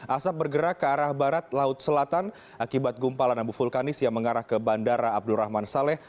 asap bergerak ke arah barat laut selatan akibat gumpalan abu vulkanis yang mengarah ke bandara abdurrahman saleh